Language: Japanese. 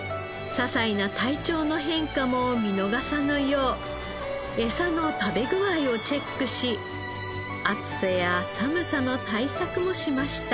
ささいな体調の変化も見逃さぬよう餌の食べ具合をチェックし暑さや寒さの対策もしました。